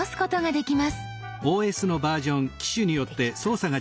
できます。